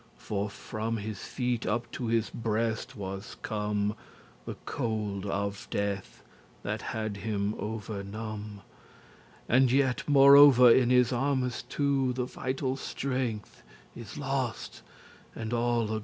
For from his feet up to his breast was come The cold of death, that had him overnome*. *overcome And yet moreover in his armes two The vital strength is lost, and all ago*.